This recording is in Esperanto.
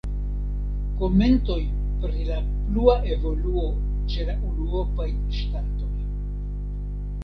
Komentoj pri la plua evoluo ĉe la unuopaj ŝtatoj.